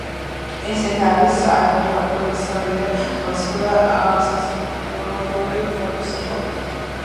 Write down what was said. ეს ენა არის არარეგულარული ამიტომ ის ვერ გამოისახება სასრული ავტომატების საშუალებით.